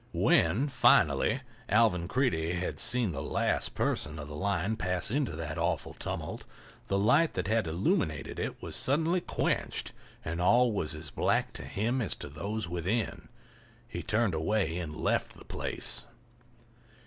When, finally, Alvan Creede had seen the last person of the line pass into that awful tumult the light that had illuminated it was suddenly quenched and all was as black to him as to those within. He turned away and left the place.